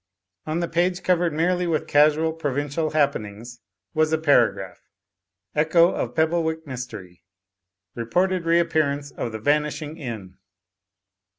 On the page covered merely with casual, provincial happenings was a paragraph, "Echo of Pebblewick Mystery. Reported Reappearance of the Vanishing Inn."